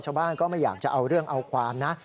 ชาวบ้านก็ไม่อยากจะเอาเรื่องเอาความนะ